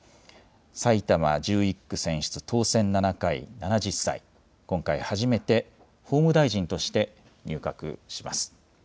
埼玉１１区選出、当選７回で７０歳、今回、初めて法務大臣として入閣します。